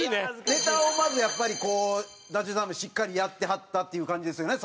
ネタをまずやっぱりこうダチョウさんもしっかりやってはったっていう感じですよね